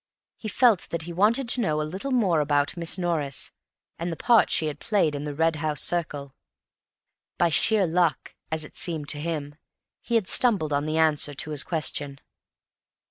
He felt that he wanted to know a little more about Miss Norris and the part she had played in the Red House circle. By sheer luck, as it seemed to him, he had stumbled on the answer to his question.